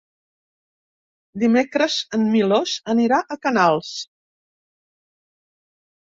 Dimecres en Milos anirà a Canals.